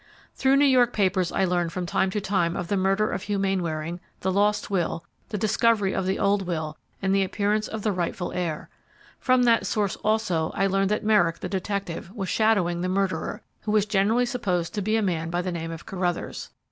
"Through New York papers I learned from time to time of the murder of Hugh Mainwaring, the lost will, the discovery of the old will, and the appearance of the rightful heir. From that source, also, I learned that Merrick, the detective, was shadowing the murderer, who was generally supposed to be a man by the name of Carruthers.